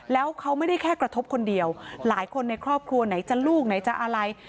แล้วเขาไม่ได้แค่กระทบคนเดียวหลายคนในครอบครัวไหนจะลูกไหนจะอะไร